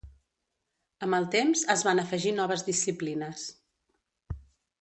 Amb el temps es van afegir noves disciplines.